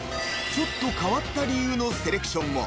［ちょっと変わった理由のセレクションも］